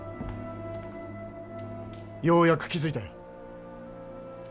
ようやく気づいたよ。